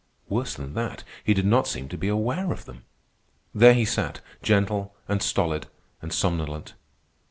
Worse than that, he did not seem to be aware of them. There he sat, gentle, and stolid, and somnolent.